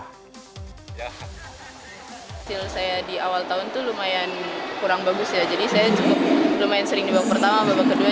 hasil saya di awal tahun itu lumayan kurang bagus ya jadi saya cukup lumayan sering di babak pertama babak kedua